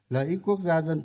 lợi ích quốc gia dân tộc